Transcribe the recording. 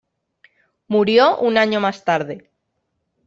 Murió un año más tarde.